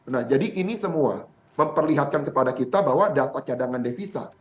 nah jadi ini semua memperlihatkan kepada kita bahwa data cadangan devisa